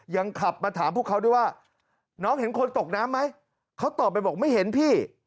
ยังขับมาถามพวกเขาด้วยว่าน้องเห็นคนตกน้ำไหมเขาตอบไปบอกไม่เห็นพี่